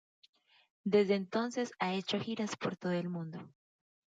Desde entonces ha hecho giras por todo el mundo.